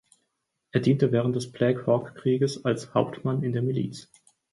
Er diente während des Black-Hawk-Krieges als Hauptmann in der Miliz.